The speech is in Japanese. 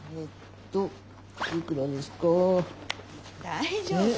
大丈夫？